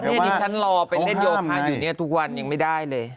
นี่ที่ฉันรอไปเล่นโยคะอยู่เนี่ยทุกวันยังไม่ได้เลย